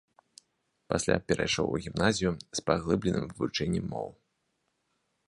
Пасля перайшоў у гімназію з паглыбленым вывучэннем моў.